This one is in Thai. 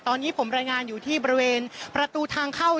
ตอนนี้ผมรายงานอยู่ที่บริเวณประตูทางเข้า